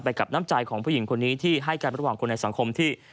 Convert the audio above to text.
กับน้ำใจของผู้หญิงคนนี้ที่ให้กันระหว่างคนในสังคมที่